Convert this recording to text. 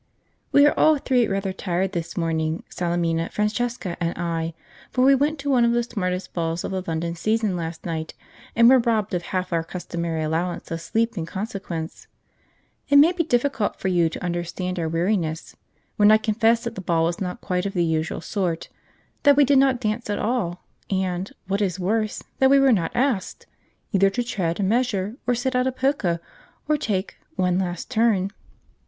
We are all three rather tired this morning, Salemina, Francesca, and I, for we went to one of the smartest balls of the London season last night, and were robbed of half our customary allowance of sleep in consequence. It may be difficult for you to understand our weariness, when I confess that the ball was not quite of the usual sort; that we did not dance at all; and, what is worse, that we were not asked, either to tread a measure, or sit out a polka, or take 'one last turn.'